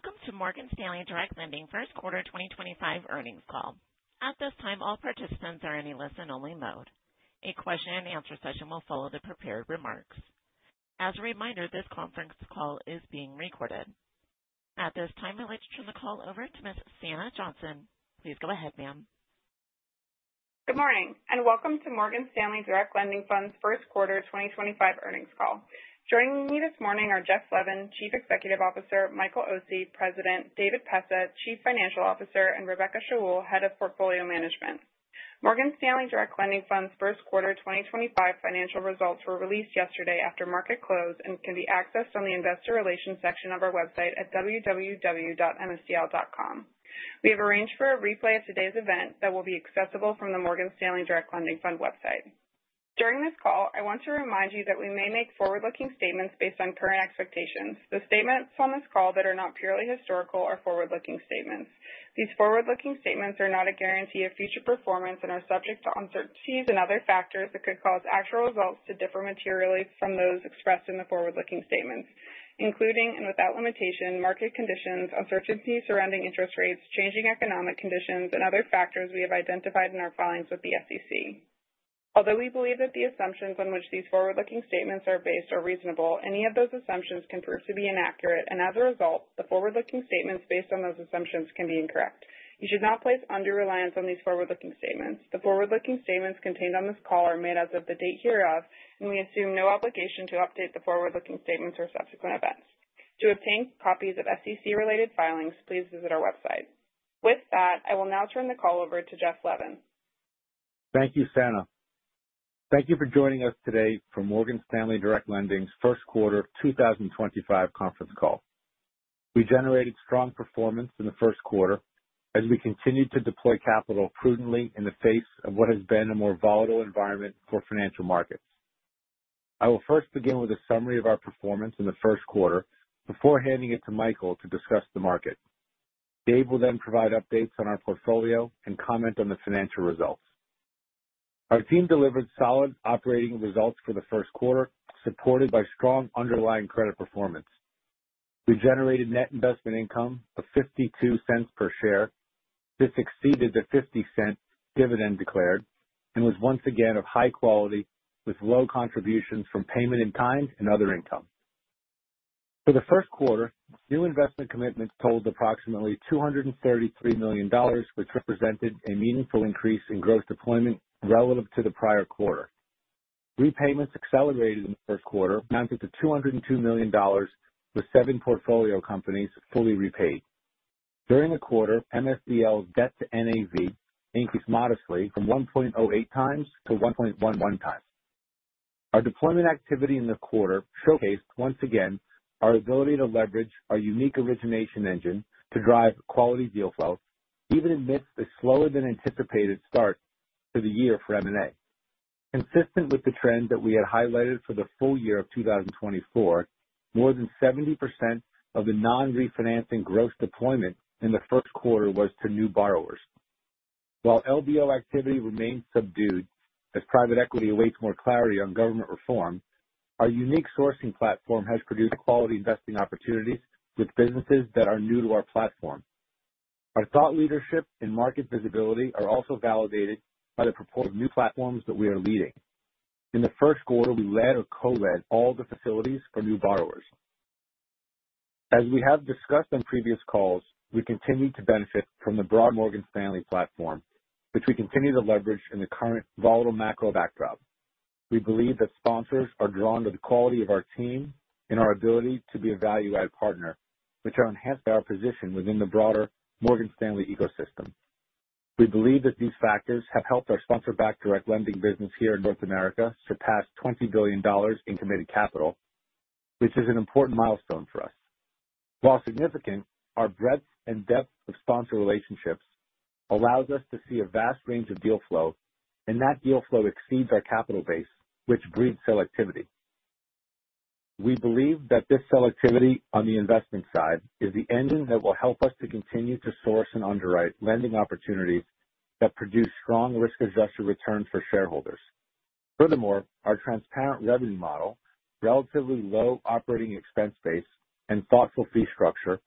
Welcome to Morgan Stanley Direct Lending first quarter 2025 earnings call. At this time, all participants are in a listen only mode. A question and answer session will follow the prepared remarks. As a reminder, this conference call is being recorded. At this time, I'd like to turn the call over to Miss Sanna Johnson. Please go ahead, ma'am. Good morning and welcome to Morgan Stanley Direct Lending Fund's first quarter 2025 earnings call. Joining me this morning are Jeff Levin, Chief Executive Officer, Michael Occi, President, David Pessah, Chief Financial Officer, and Rebecca Shaoul, Head of Portfolio Management. Morgan Stanley Direct Lending Fund's first quarter 2025 financial results were released yesterday after market close and can be accessed on the investor relations section of our website at www.msdl.com. We have arranged for a replay of today's event that will be accessible from the Morgan Stanley Direct Lending Fund website. During this call, I want to remind you that we may make forward-looking statements based on current expectations. The statements on this call that are not purely historical are forward-looking statements. These forward-looking statements are not a guarantee of future performance and are subject to uncertainties and other factors that could cause actual results to differ materially from those expressed in the forward-looking statements, including and without limitation, market conditions, uncertainty surrounding interest rates, changing economic conditions and other factors we have identified in our filings with the SEC. Although we believe that the assumptions on which these forward-looking statements are based are reasonable, any of those assumptions can prove to be inaccurate, and as a result, the forward-looking statements based on those assumptions can be incorrect. You should not place undue reliance on these forward-looking statements. The forward-looking statements contained on this call are made as of the date hereof, and we assume no obligation to update the forward-looking statements or subsequent events. To obtain copies of SEC-related filings, please visit our website. With that, I will now turn the call over to Jeff Levin. Thank you, Sanna. Thank you for joining us today for Morgan Stanley Direct Lending's first quarter 2025 conference call. We generated strong performance in the first quarter as we continued to deploy capital prudently in the face of what has been a more volatile environment for financial markets. I will first begin with a summary of our performance in the first quarter before handing it to Michael to discuss the market. Dave will then provide updates on our portfolio and comment on the financial results. Our team delivered solid operating results for the first quarter, supported by strong underlying credit performance. We generated net investment income of $0.52 per share. This exceeded the $0.50 dividend declared and was once again of high quality with low contributions from payment-in-kind and other income. For the first quarter, new investment commitments totaled approximately $233 million, which represented a meaningful increase in gross deployment relative to the prior quarter. Repayments accelerated in the first quarter amounted to $202 million, with seven portfolio companies fully repaid. During the quarter, MSDL's debt to NAV increased modestly from 1.08 times to 1.11 times. Our deployment activity in the quarter showcased once again our ability to leverage our unique origination engine to drive quality deal flow even amidst a slower than anticipated start to the year for M&A. Consistent with the trend that we had highlighted for the full year of 2024, more than 70% of the non-refinancing gross deployment in the first quarter was to new borrowers. While LBO activity remains subdued as private equity awaits more clarity on government reform, our unique sourcing platform has produced quality investing opportunities with businesses that are new to our platform. Our thought leadership and market visibility are also validated by the purport of new platforms that we are leading. In the first quarter, we led or co-led all the facilities for new borrowers. As we have discussed on previous calls, we continue to benefit from the broad Morgan Stanley platform, which we continue to leverage in the current volatile macro backdrop. We believe that sponsors are drawn to the quality of our team and our ability to be a value-add partner, which are enhanced by our position within the broader Morgan Stanley ecosystem. We believe that these factors have helped our sponsor-backed direct lending business here in North America surpass $20 billion in committed capital, which is an important milestone for us. While significant, our breadth and depth of sponsor relationships allows us to see a vast range of deal flow, and that deal flow exceeds our capital base, which breeds selectivity. We believe that this selectivity on the investment side is the engine that will help us to continue to source and underwrite lending opportunities that produce strong risk-adjusted returns for shareholders. Furthermore, our transparent revenue model, relatively low operating expense base, and thoughtful fee structure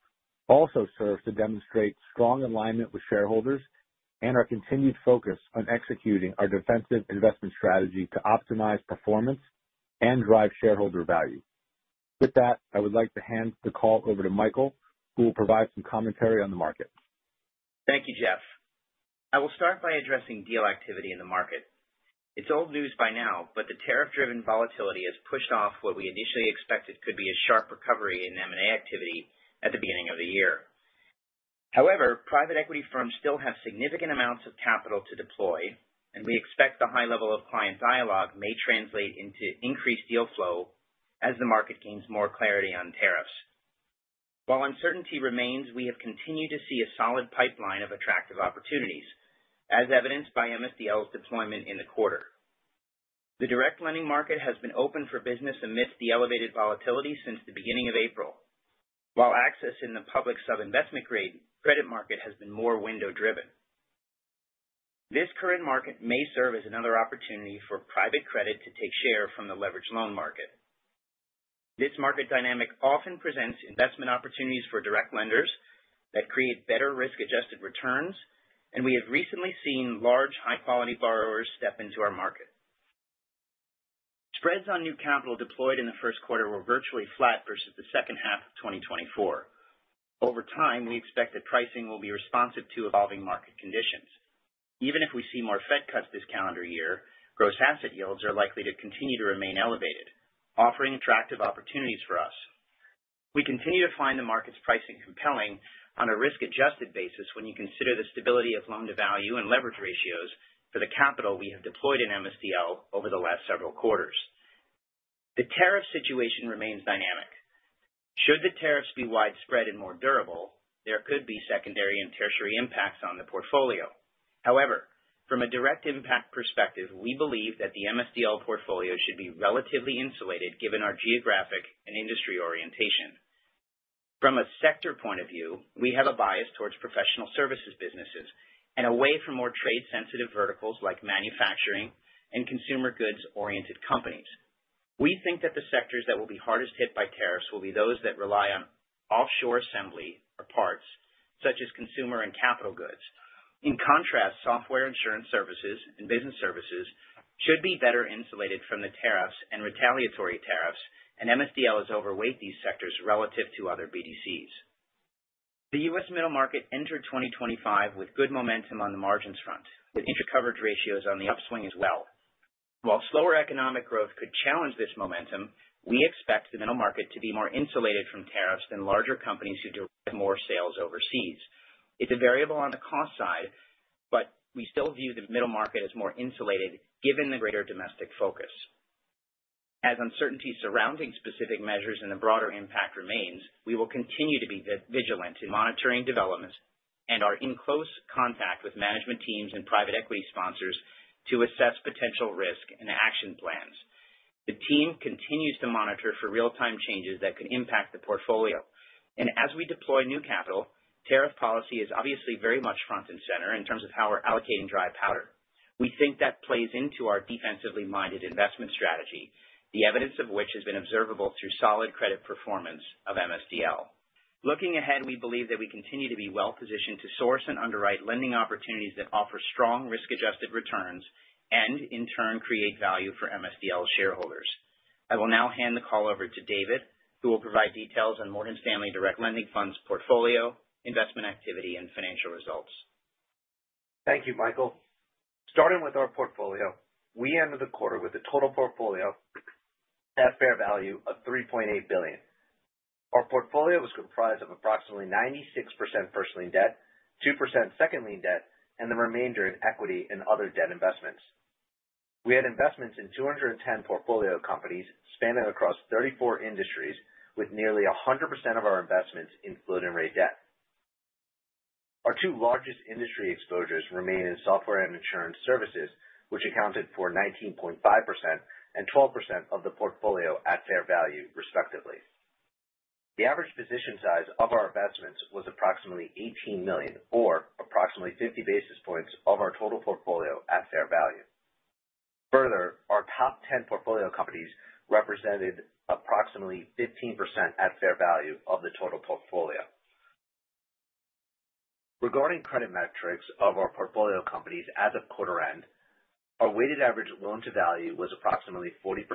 also serves to demonstrate strong alignment with shareholders and our continued focus on executing our defensive investment strategy to optimize performance and drive shareholder value. With that, I would like to hand the call over to Michael, who will provide some commentary on the market. Thank you, Jeff. I will start by addressing deal activity in the market. It's old news by now, but the tariff-driven volatility has pushed off what we initially expected could be a sharp recovery in M&A activity at the beginning of the year. However, private equity firms still have significant amounts of capital to deploy, and we expect the high level of client dialogue may translate into increased deal flow as the market gains more clarity on tariffs. While uncertainty remains, we have continued to see a solid pipeline of attractive opportunities, as evidenced by MSDL's deployment in the quarter. The direct lending market has been open for business amidst the elevated volatility since the beginning of April. While access in the public sub-investment grade credit market has been more window driven. This current market may serve as another opportunity for private credit to take share from the leveraged loan market. This market dynamic often presents investment opportunities for direct lenders that create better risk-adjusted returns, and we have recently seen large high quality borrowers step into our market. Spreads on new capital deployed in the first quarter were virtually flat versus the second half of 2024. Over time, we expect that pricing will be responsive to evolving market conditions. Even if we see more Fed cuts this calendar year, gross asset yields are likely to continue to remain elevated, offering attractive opportunities for us. We continue to find the market's pricing compelling on a risk-adjusted basis when you consider the stability of loan-to-value and leverage ratios for the capital we have deployed in MSDL over the last several quarters. The tariff situation remains dynamic. Should the tariffs be widespread and more durable, there could be secondary and tertiary impacts on the portfolio. However, from a direct impact perspective, we believe that the MSDL portfolio should be relatively insulated given our geographic and industry orientation. From a sector point of view, we have a bias towards professional services businesses and away from more trade sensitive verticals like manufacturing and consumer goods-oriented companies. We think that the sectors that will be hardest hit by tariffs will be those that rely on offshore assembly or parts such as consumer and capital goods. In contrast, software insurance services and business services should be better insulated from the tariffs and retaliatory tariffs, and MSDL has overweight these sectors relative to other BDCs. The U.S. middle market entered 2025 with good momentum on the margins front, with interest coverage ratios on the upswing as well. While slower economic growth could challenge this momentum, we expect the middle market to be more insulated from tariffs than larger companies who derive more sales overseas. It's a variable on the cost side, but we still view the middle market as more insulated given the greater domestic focus. As uncertainty surrounding specific measures and the broader impact remains, we will continue to be vigilant in monitoring developments and are in close contact with management teams and private equity sponsors to assess potential risk and action plans. The team continues to monitor for real-time changes that could impact the portfolio. As we deploy new capital, tariff policy is obviously very much front and center in terms of how we're allocating dry powder. We think that plays into our defensively minded investment strategy, the evidence of which has been observable through solid credit performance of MSDL. Looking ahead, we believe that we continue to be well-positioned to source and underwrite lending opportunities that offer strong risk-adjusted returns and in turn create value for MSDL shareholders. I will now hand the call over to David, who will provide details on Morgan Stanley Direct Lending Fund's portfolio, investment activity, and financial results. Thank you, Michael. Starting with our portfolio. We ended the quarter with a total portfolio at fair value of $3.8 billion. Our portfolio was comprised of approximately 96% first lien debt, 2% second lien debt, and the remainder in equity and other debt investments. We had investments in 210 portfolio companies spanning across 34 industries with nearly 100% of our investments in floating rate debt. Our two largest industry exposures remain in software and insurance services, which accounted for 19.5% and 12% of the portfolio at fair value, respectively. The average position size of our investments was approximately $18 million, or approximately 50 basis points of our total portfolio at fair value. Further, our top 10 portfolio companies represented approximately 15% at fair value of the total portfolio. Regarding credit metrics of our portfolio companies as of quarter-end, our weighted average loan-to-value was approximately 40%.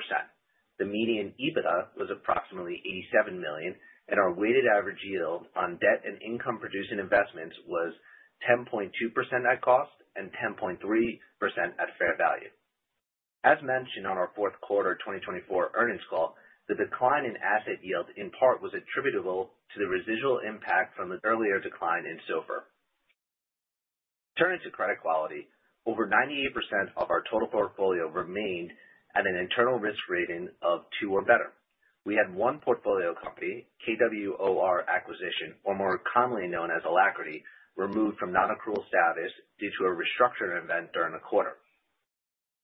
The median EBITDA was approximately $87 million, and our weighted average yield on debt and income producing investments was 10.2% at cost and 10.3% at fair value. As mentioned on our fourth quarter 2024 earnings call, the decline in asset yield in part was attributable to the residual impact from an earlier decline in SOFR. Turning to credit quality, over 98% of our total portfolio remained at an internal risk rating of two or better. We had one portfolio company, KWOR Acquisition, or more commonly known as Alacrity, removed from non-accrual status due to a restructuring event during the quarter.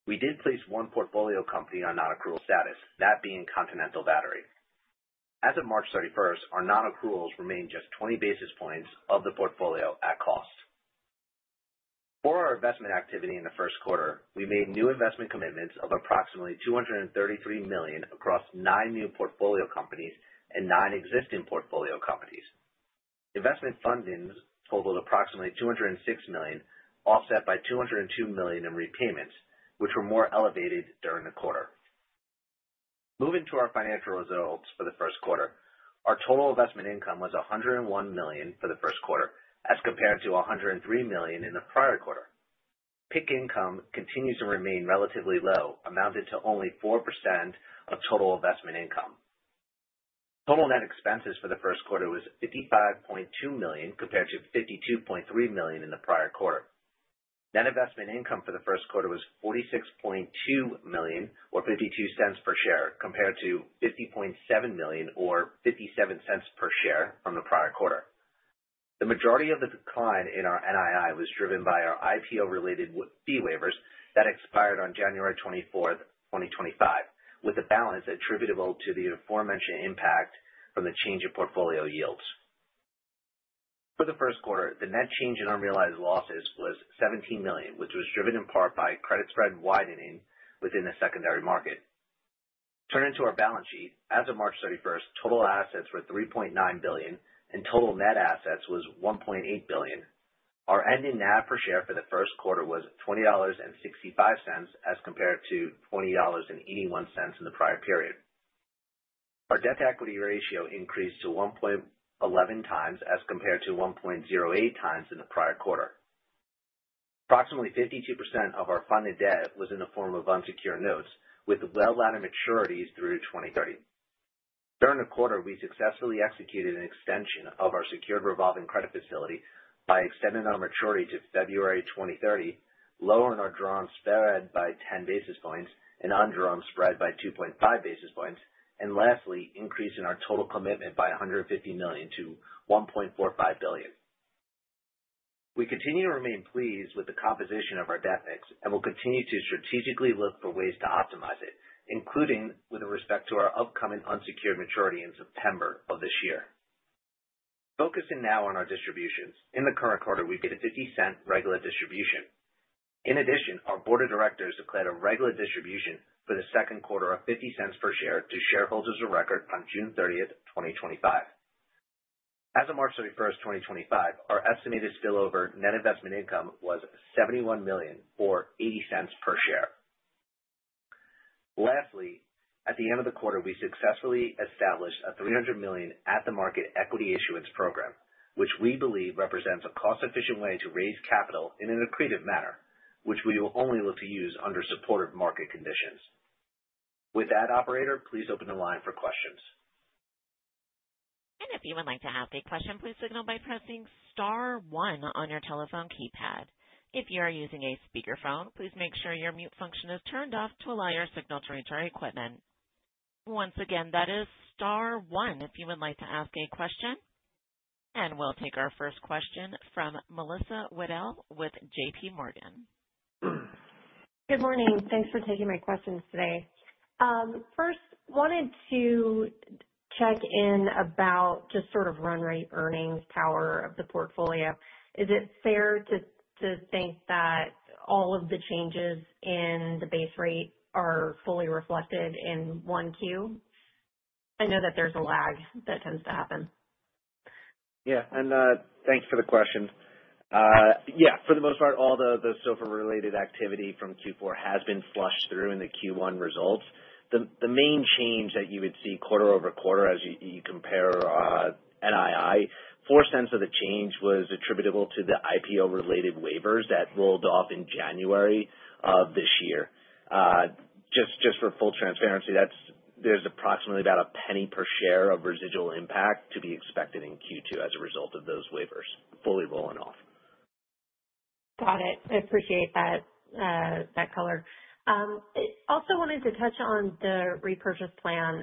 We did place one portfolio company on non-accrual status, that being Continental Battery. As of March 31, our non-accruals remain just 20 basis points of the portfolio at cost. For our investment activity in the first quarter, we made new investment commitments of approximately $233 million across nine new portfolio companies and nine existing portfolio companies. Investment fundings totaled approximately $206 million, offset by $202 million in repayments, which were more elevated during the quarter. Moving to our financial results for the first quarter. Our total investment income was $101 million for the first quarter as compared to $103 million in the prior quarter. PIK income continues to remain relatively low, amounting to only 4% of total investment income. Total net expenses for the first quarter was $55.2 million, compared to $52.3 million in the prior quarter. Net investment income for the first quarter was $46.2 million or $0.52 per share, compared to $50.7 million or $0.57 per share from the prior quarter. The majority of the decline in our NII was driven by our IPO related fee waivers that expired on January 24, 2025, with the balance attributable to the aforementioned impact from the change in portfolio yields. For the first quarter, the net change in unrealized losses was $17 million, which was driven in part by credit spread widening within the secondary market. Turning to our balance sheet. As of March 31, total assets were $3.9 billion, and total net assets was $1.8 billion. Our ending NAV per share for the first quarter was $20.65, as compared to $20.81 in the prior period. Our debt equity ratio increased to 1.11 times as compared to 1.08 times in the prior quarter. Approximately 52% of our funded debt was in the form of unsecured notes with well-laddered maturities through 2030. During the quarter, we successfully executed an extension of our secured revolving credit facility by extending our maturity to February 2030, lowering our drawn spread by 10 basis points and undrawn spread by 2.5 basis points, and lastly, increasing our total commitment by $150 million to $1.45 billion. We continue to remain pleased with the composition of our debt mix and will continue to strategically look for ways to optimize it, including with respect to our upcoming unsecured maturity in September of this year. Focusing now on our distributions. In the current quarter, we get a $0.50 regular distribution. In addition, our board of directors declared a regular distribution for the second quarter of $0.50 per share to shareholders of record on June 30, 2025. As of March 31, 2025, our estimated spillover net investment income was $71 million, or $0.80 per share. Lastly, at the end of the quarter, we successfully established a $300 million at-the-market equity issuance program, which we believe represents a cost-efficient way to raise capital in an accretive manner, which we will only look to use under supportive market conditions. With that, operator, please open the line for questions. If you would like to ask a question, please signal by pressing star one on your telephone keypad. If you are using a speakerphone, please make sure your mute function is turned off to allow your signal to reach our equipment. Once again, that is star one if you would like to ask a question. We'll take our first question from Melissa Wedel with JPMorgan. Good morning. Thanks for taking my questions today. First wanted to check in about just sort of run rate earnings power of the portfolio. Is it fair to think that all of the changes in the base rate are fully reflected in 1Q? I know that there's a lag that tends to happen. Yeah. Thanks for the question. Yeah, for the most part, all the SOFR-related activity from Q4 has been flushed through in the Q1 results. The main change that you would see quarter-over-quarter as you compare NII, $0.04 of the change was attributable to the IPO-related waivers that rolled off in January of this year. Just for full transparency, there's approximately about a $0.01 per share of residual impact to be expected in Q2 as a result of those waivers fully rolling off. Got it. I appreciate that color. Also wanted to touch on the repurchase plan.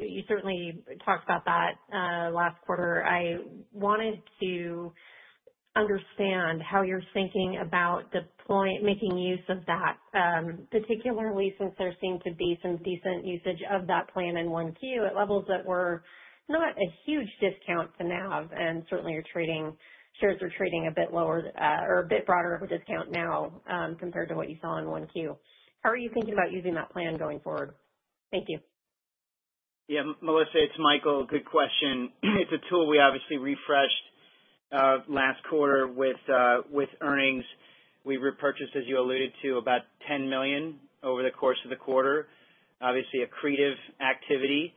You certainly talked about that, last quarter. I wanted to understand how you're thinking about making use of that, particularly since there seemed to be some decent usage of that plan in 1Q at levels that were not a huge discount to NAV. Certainly shares are trading a bit lower, or a bit broader of a discount now, compared to what you saw in 1Q. How are you thinking about using that plan going forward? Thank you. Yeah, Melissa, it's Michael. Good question. It's a tool we obviously refreshed last quarter with earnings. We repurchased, as you alluded to, about $10 million over the course of the quarter. Obviously accretive activity.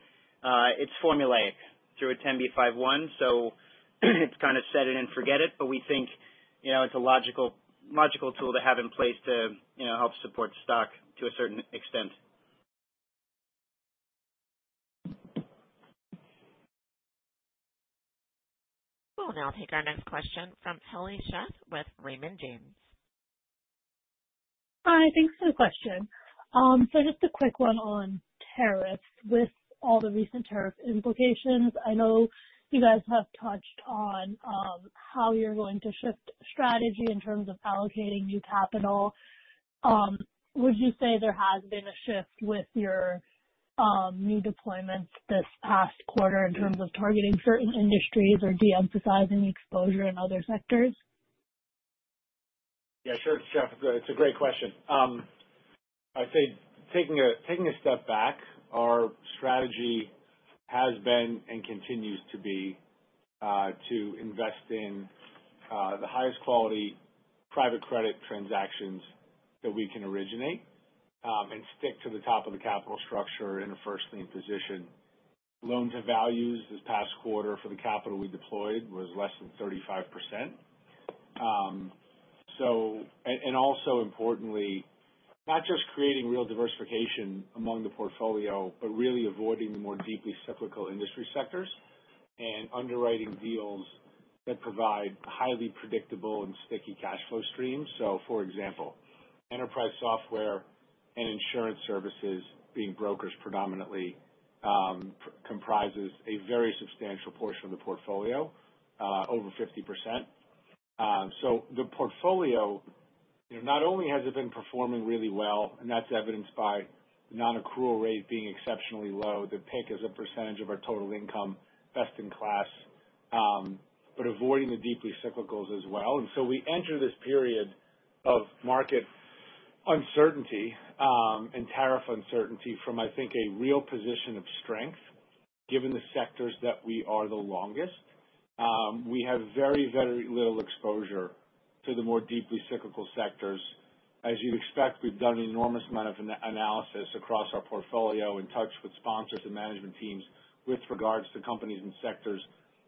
It's formulaic through a 10b5-1, so it's kind of set it and forget it. We think, you know, it's a logical tool to have in place to, you know, help support stock to a certain extent. We'll now take our next question from Heli Sheth with Raymond James. Hi. Thanks for the question. Just a quick one on tariffs. With all the recent tariff implications, I know you guys have touched on how you're going to shift strategy in terms of allocating new capital. Would you say there has been a shift with your new deployments this past quarter in terms of targeting certain industries or de-emphasizing exposure in other sectors? Yeah, sure, Heli. It's a great question. I'd say taking a step back, our strategy has been and continues to be to invest in the highest quality private credit transactions that we can originate and stick to the top of the capital structure in a first lien position. loan-to-value this past quarter for the capital we deployed was less than 35%. Also importantly, not just creating real diversification among the portfolio, but really avoiding the more deeply cyclical industry sectors and underwriting deals that provide highly predictable and sticky cash flow streams. For example, enterprise software and insurance services, being brokers predominantly, comprises a very substantial portion of the portfolio, over 50%. The portfolio, you know, not only has it been performing really well, and that's evidenced by non-accrual rate being exceptionally low. The PIK as a percentage of our total income, best in class, but avoiding the deeply cyclicals as well. We enter this period of market uncertainty, and tariff uncertainty from, I think, a real position of strength, given the sectors that we are the longest. We have very, very little exposure to the more deeply cyclical sectors. As you'd expect, we've done an enormous amount of analysis across our portfolio, in touch with sponsors and management teams with regards to companies and sectors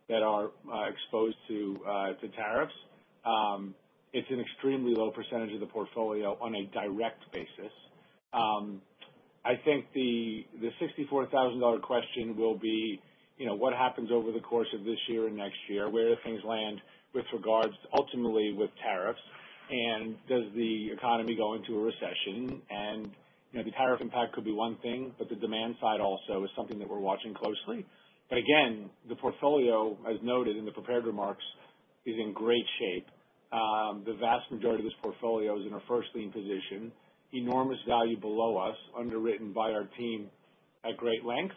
that are exposed to tariffs. It's an extremely low percentage of the portfolio on a direct basis. I think the $64,000 question will be, you know, what happens over the course of this year and next year? Where do things land with regards ultimately with tariffs? Does the economy go into a recession? You know, the tariff impact could be one thing, but the demand side also is something that we're watching closely. Again, the portfolio, as noted in the prepared remarks, is in great shape. The vast majority of this portfolio is in a first lien position, enormous value below us, underwritten by our team at great length.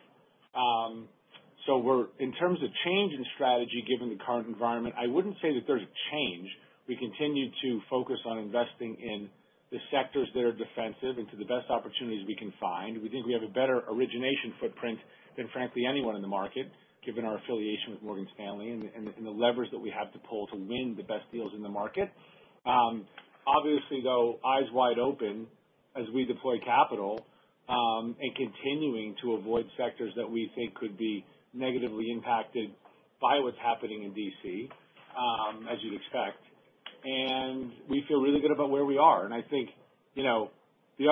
In terms of change in strategy, given the current environment, I wouldn't say that there's a change. We continue to focus on investing in the sectors that are defensive into the best opportunities we can find. We think we have a better origination footprint than, frankly, anyone in the market, given our affiliation with Morgan Stanley and the levers that we have to pull to win the best deals in the market. Obviously, though, eyes wide open as we deploy capital, and continuing to avoid sectors that we think could be negatively impacted by what's happening in D.C., as you'd expect. We feel really good about where we are. I think, you know, the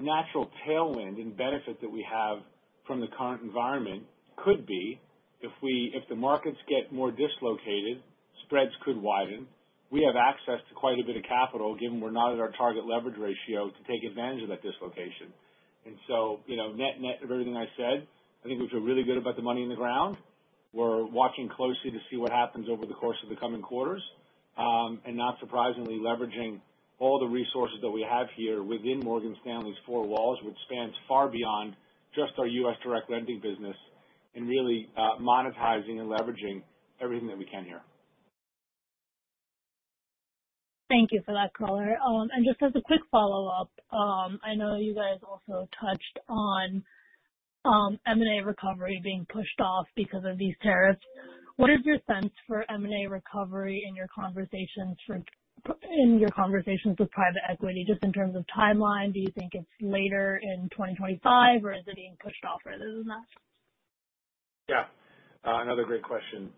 natural tailwind and benefit that we have from the current environment could be if the markets get more dislocated, spreads could widen. We have access to quite a bit of capital, given we're not at our target leverage ratio, to take advantage of that dislocation. You know, net of everything I said, I think we feel really good about the money in the ground. We're watching closely to see what happens over the course of the coming quarters. Not surprisingly, leveraging all the resources that we have here within Morgan Stanley's four walls, which spans far beyond just our U.S. direct lending business and really monetizing and leveraging everything that we can here. Thank you for that color. Just as a quick follow-up, I know you guys also touched on M&A recovery being pushed off because of these tariffs. What is your sense for M&A recovery in your conversations with private equity? Just in terms of timeline, do you think it's later in 2025 or is it being pushed off rather than not? Yeah. Another great question.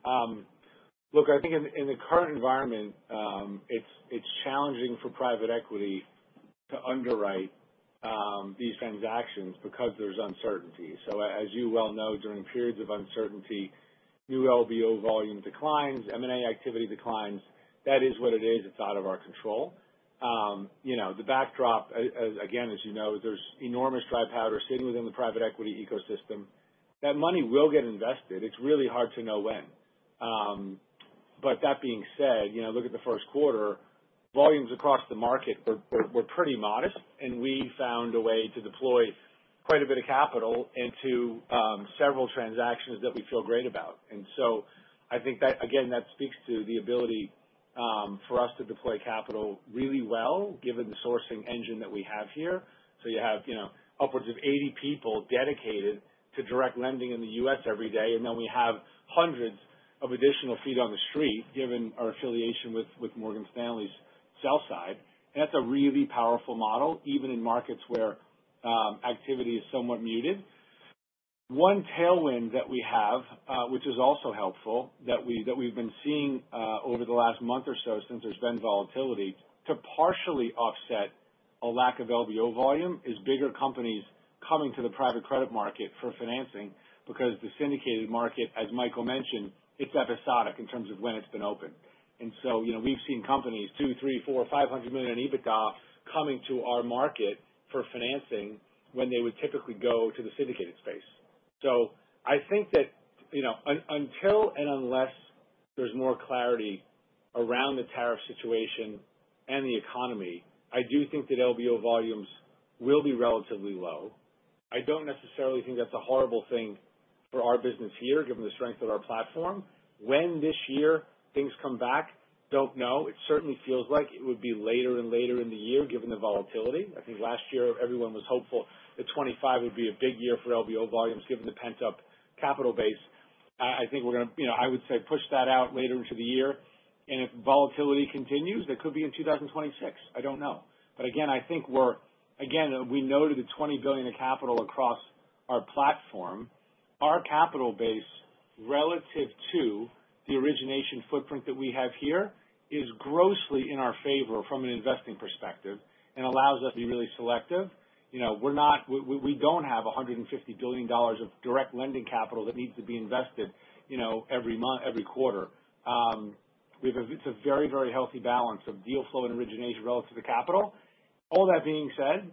Look, I think in the current environment, it's challenging for private equity to underwrite these transactions because there's uncertainty. As you well know, during periods of uncertainty, new LBO volume declines, M&A activity declines. That is what it is. It's out of our control. You know, the backdrop, again, as you know, there's enormous dry powder sitting within the private equity ecosystem. That money will get invested. It's really hard to know when. That being said, you know, look at the 1st quarter. Volumes across the market were pretty modest, we found a way to deploy quite a bit of capital into several transactions that we feel great about. I think that, again, that speaks to the ability for us to deploy capital really well, given the sourcing engine that we have here. You have, you know, upwards of 80 people dedicated to direct lending in the U.S. every day. We have hundreds of additional feet on the street, given our affiliation with Morgan Stanley's sell side. That's a really powerful model, even in markets where activity is somewhat muted. One tailwind that we have, which is also helpful, that we've been seeing over the last month or so since there's been volatility, to partially offset a lack of LBO volume, is bigger companies coming to the private credit market for financing because the syndicated market, as Michael mentioned, it's episodic in terms of when it's been open. You know, we've seen companies $200 million to $500 million in EBITDA coming to our market for financing when they would typically go to the syndicated space. I think that, you know, until and unless there's more clarity around the tariff situation and the economy, I do think that LBO volumes will be relatively low. I don't necessarily think that's a horrible thing for our business here, given the strength of our platform. When this year things come back, don't know. It certainly feels like it would be later and later in the year, given the volatility. I think last year everyone was hopeful that 2025 would be a big year for LBO volumes given the pent-up capital base. I think we're gonna, you know, I would say push that out later into the year. If volatility continues, that could be in 2026. I don't know. Again, I think we noted the $20 billion of capital across our platform. Our capital base relative to the origination footprint that we have here is grossly in our favor from an investing perspective and allows us to be really selective. You know, we don't have $150 billion of direct lending capital that needs to be invested, you know, every quarter. It's a very, very healthy balance of deal flow and origination relative to capital. All that being said.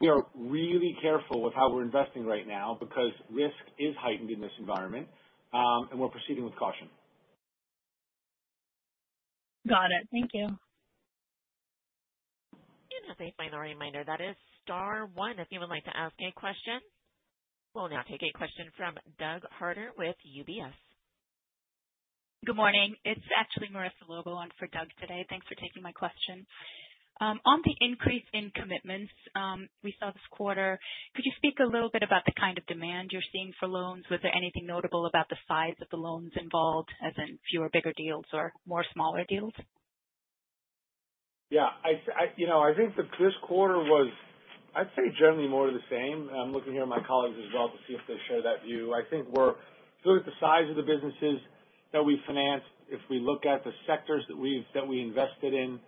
We are really careful with how we're investing right now because risk is heightened in this environment, and we're proceeding with caution. Got it. Thank you. A safe line reminder, that is star one if you would like to ask a question. We'll now take a question from Douglas Harter with UBS. Good morning. It's actually Marissa Lobo on for Doug today. Thanks for taking my question. On the increase in commitments, we saw this quarter, could you speak a little bit about the kind of demand you're seeing for loans? Was there anything notable about the size of the loans involved, as in fewer bigger deals or more smaller deals? Yeah. you know, I think this quarter was, I'd say generally more the same. I'm looking here at my colleagues as well to see if they share that view. I think we're if we look at the size of the businesses that we financed, if we look at the sectors that we invested in,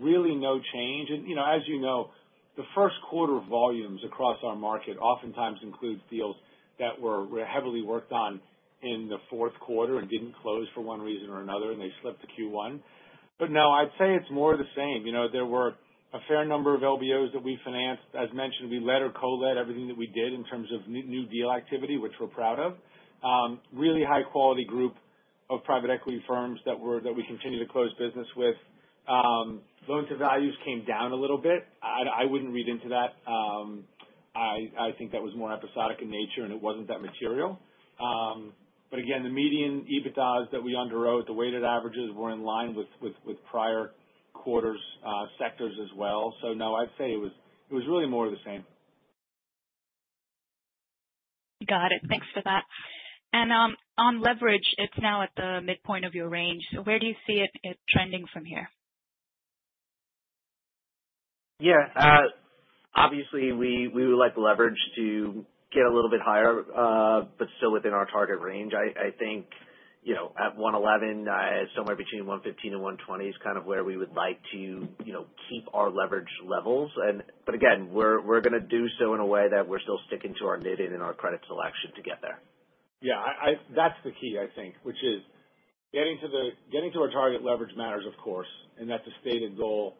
really no change. you know, as you know, the first quarter volumes across our market oftentimes includes deals that were heavily worked on in the fourth quarter and didn't close for one reason or another, and they slipped to Q1. No, I'd say it's more the same. You know, there were a fair number of LBOs that we financed. As mentioned, we led or co-led everything that we did in terms of new deal activity, which we're proud of. Really high quality group of private equity firms that we continue to close business with. Loan-to-value came down a little bit. I wouldn't read into that. I think that was more episodic in nature, and it wasn't that material. But again, the median EBITDAs that we underwrote, the weighted averages were in line with prior quarters, sectors as well. No, I'd say it was really more the same. Got it. Thanks for that. On leverage, it's now at the midpoint of your range. Where do you see it trending from here? Yeah. Obviously we would like the leverage to get a little bit higher, but still within our target range. I think, you know, at 1.11, somewhere between 1.15 and 1.20 is kind of where we would like to, you know, keep our leverage levels. But again, we're gonna do so in a way that we're still sticking to our knitting and our credit selection to get there. That's the key, I think, which is getting to our target leverage matters of course, and that's a stated goal.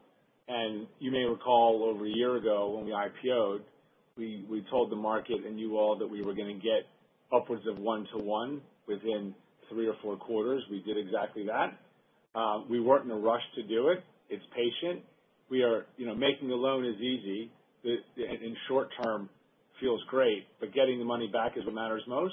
You may recall over a year ago when we IPO'd, we told the market and you all that we were gonna get upwards of 1-to-1 within 3 or 4 quarters. We did exactly that. We weren't in a rush to do it. It's patient. You know, making a loan is easy. The in short term feels great, Getting the money back is what matters most.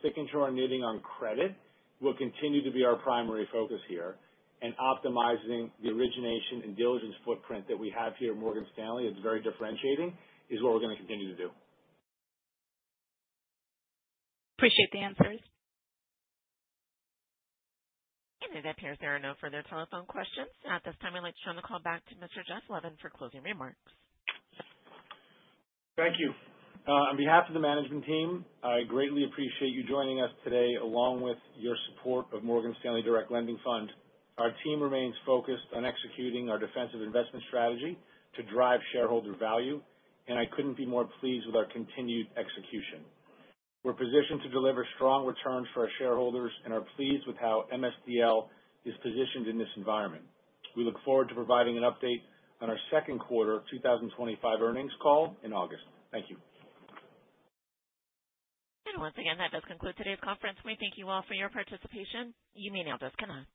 Sticking to our knitting on credit will continue to be our primary focus here, and optimizing the origination and diligence footprint that we have here at Morgan Stanley, it's very differentiating, is what we're gonna continue to do. Appreciate the answers. It appears there are no further telephone questions. At this time, I'd like to turn the call back to Mr. Jeffrey Levin for closing remarks. Thank you. On behalf of the management team, I greatly appreciate you joining us today, along with your support of Morgan Stanley Direct Lending Fund. Our team remains focused on executing our defensive investment strategy to drive shareholder value, and I couldn't be more pleased with our continued execution. We're positioned to deliver strong returns for our shareholders and are pleased with how MSDL is positioned in this environment. We look forward to providing an update on our second quarter 2025 earnings call in August. Thank you. Once again, that does conclude today's conference. We thank you all for your participation. You may now disconnect.